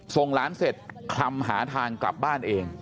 ส่งหลานเสร็จคลำหาทางกลับบ้านเอง